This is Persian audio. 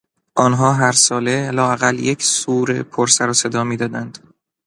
آنها هر ساله لااقل یک سور پر سر و صدا میدادند.